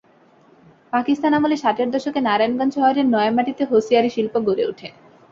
পাকিস্তান আমলে ষাটের দশকে নারায়ণগঞ্জ শহরের নয়ামাটিতে হোসিয়ারি শিল্প গড়ে ওঠে।